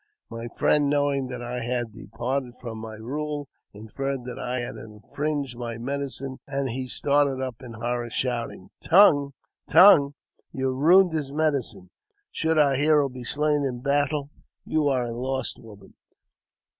My friend, knowing that I had departec from my rule, inferred that I had infringed my medicine, and he started up in horror, shouting, " Tongue ! tongue ! you have ruined his medicine ! should our hero be slain in battle, you are a lost woman."